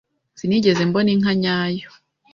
Sinigeze mbona inka nyayo.